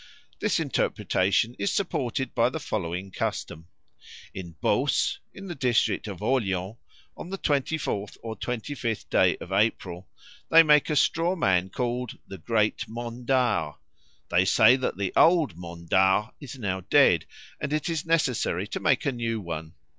This interpretation is supported by the following custom. In Beauce, in the district of Orleans, on the twenty fourth or twenty fifth of April they make a straw man called "the great mondard." For they say that the old mondard is now dead and it is necessary to make a new one.